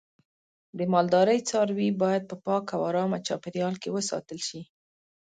د مالدارۍ څاروی باید په پاکه او آرامه چاپیریال کې وساتل شي.